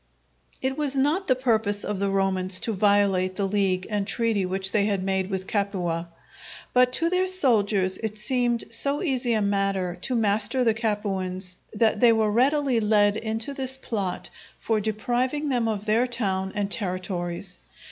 It was not the purpose of the Romans to violate the league and treaty which they had made with Capua; but to their soldiers it seemed so easy a matter to master the Capuans, that they were readily led into this plot for depriving them of their town and territories.